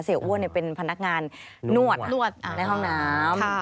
เสียอ้วนเป็นพนักงานนวดในห้องน้ำ